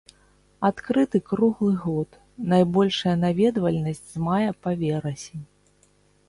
Адкрыты круглы год, найбольшая наведвальнасць з мая па верасень.